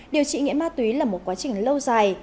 điều trị nghiện ma túy là một quá trình lâu dài